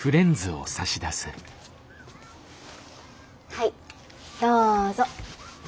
はいどうぞ。